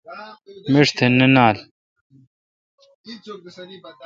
مݭ تھ نال۔